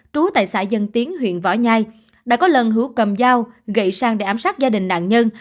trú tại xã dân tiến huyện võ nhai đã có lần hữu cầm dao gậy sang để ám sát gia đình nạn nhân